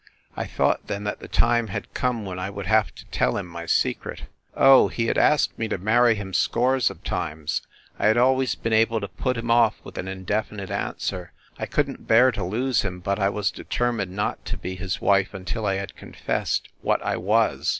I thought then that the time had come when I would have to tell him my secret. Oh, he had asked me to marry him scores of times; I had always been able to put him off with an indefinite answer. I couldn t bear to lose him, but I was determined not to be his wife until I had confessed what I was.